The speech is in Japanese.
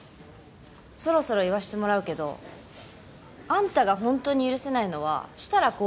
そろそろ言わせてもらうけどあんたが本当に許せないのは設楽紘一じゃないよ。